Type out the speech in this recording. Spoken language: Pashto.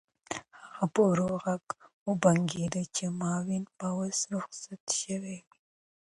هغه په ورو غږ وبونګېده چې مامورین به اوس رخصت شوي وي.